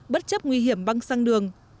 bất chấp nguy hiểm băng sang đường